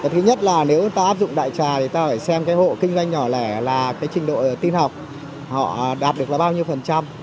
thứ nhất là nếu ta áp dụng đại trà thì ta phải xem cái hộ kinh doanh nhỏ lẻ là cái trình độ tin học họ đạt được là bao nhiêu phần trăm